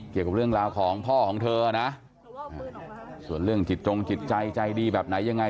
เกี่ยวกับเรื่องราวของพ่อของเธอนะส่วนเรื่องจิตจงจิตใจใจดีแบบไหนยังไง